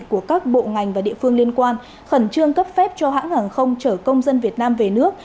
của các bộ ngành và địa phương liên quan khẩn trương cấp phép cho hãng hàng không chở công dân việt nam về nước